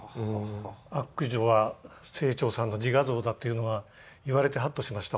悪女は清張さんの自画像だというのは言われてハッとしました。